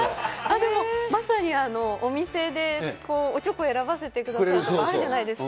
でも、まさにお店でおちょこ選ばせてくれる所あるじゃないですか。